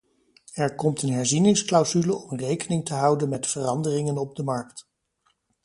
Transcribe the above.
Er komt een herzieningsclausule om rekening te houden met veranderingen op de markt.